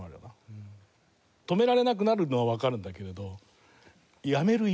止められなくなるのはわかるんだけれど。